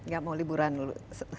gak mau liburan dulu